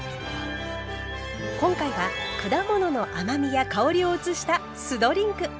今回は果物の甘みや香りを移した酢ドリンク。